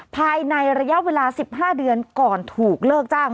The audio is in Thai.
ภายในระยะเวลา๑๕เดือนก่อนถูกเลิกจ้าง